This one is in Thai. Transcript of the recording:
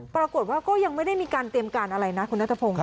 ปรากฏว่าก็ยังไม่ได้มีการเตรียมการอะไรนะคุณนัทพงศ์